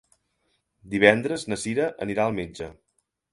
Divendres na Cira anirà al metge.